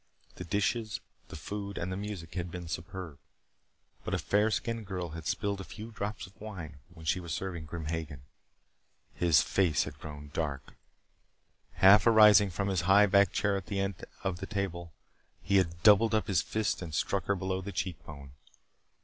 The dishes, the food, and the music had been superb. But a fair skinned girl had spilled a few drops of wine when she was serving Grim Hagen. His face had grown dark. Half arising from his high backed chair at the head of the table, he had doubled up his fist and struck her below the cheek bone.